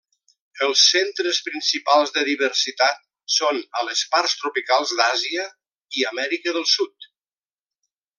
Els centres principals de diversitat són a les parts tropicals d'Àsia i Amèrica del Sud.